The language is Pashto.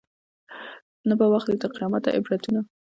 نه به واخلي تر قیامته عبرتونه